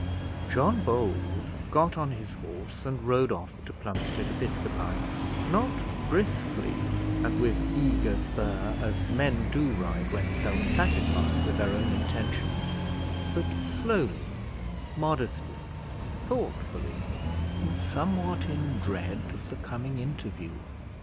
John Bold got on his horse and rode off to Plumstead Episcopi; not briskly and with eager spur, as men do ride when self satisfied with their own intentions; but slowly, modestly, thoughtfully, and somewhat in dread of the coming interview.